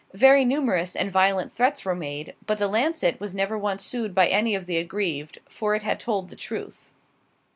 Very numerous and violent threats were made; but the "Lancet," was never once sued by any of the aggrieved, for it had told the truth.